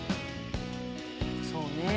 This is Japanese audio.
そうね。